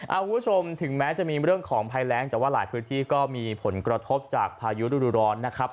คุณผู้ชมถึงแม้จะมีเรื่องของภัยแรงแต่ว่าหลายพื้นที่ก็มีผลกระทบจากพายุฤดูร้อนนะครับ